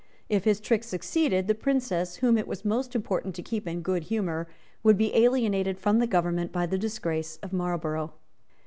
If his trick succeeded, the Princess, whom it was most important to keep in good humour, would be alienated from the government by the disgrace of Marlborough.